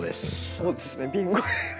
そうですねビンゴ。